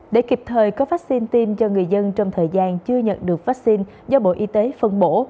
để kịp thời có vaccine tiêm cho người dân trong thời gian chưa nhận được vaccine do bộ y tế phân bổ